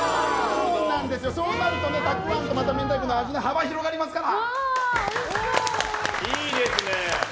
そうなるとたくわんと明太子の味の幅が広がりますから。